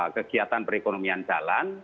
kegiatan perekonomian jalan